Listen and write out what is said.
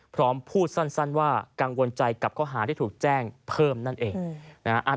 พร้อมพูดสั้นว่ากังวลใจกับข้อหาที่ถูกแจ้งเพิ่มนั่นเองนะฮะ